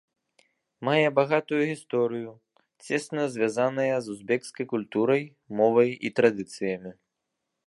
Мае багатую гісторыю, цесна звязаная з узбекскай культурай, мовай і традыцыямі.